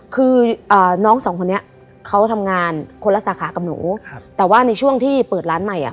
คือน้องสองคนนี้เขาทำงานคนละสาขากับหนูครับแต่ว่าในช่วงที่เปิดร้านใหม่อ่ะ